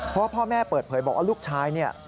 เพราะพ่อแม่เปิดเผยบอกว่าลูกชายเนี่ย